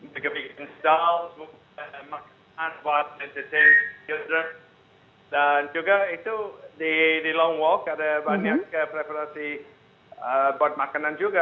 bikin install makanan buat mesin dan juga itu di long walk ada banyak preparasi buat makanan juga